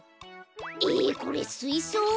えこれすいそう？ん？